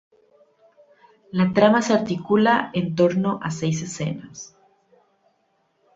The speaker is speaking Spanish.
La trama se articula en torno a seis escenas.